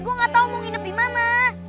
gue gak tau mau nginep di mana